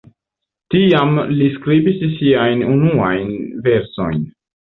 Tiam li skribis siajn unuajn versojn.